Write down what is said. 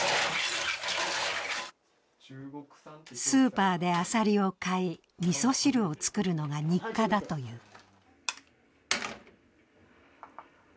スーパーでアサリを買い、みそ汁を作るのが日課だという。